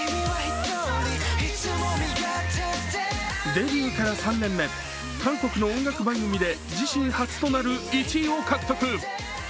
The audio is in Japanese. デビューから３年目、韓国の音楽番組で、自身初となる１位を獲得。